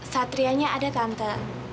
satrianya ada tante